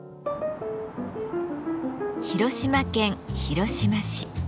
広島県広島市。